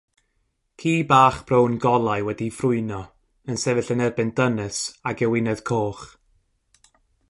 Ci bach brown golau wedi'i ffrwyno yn sefyll yn erbyn dynes ag ewinedd coch.